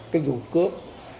cái vụ cướp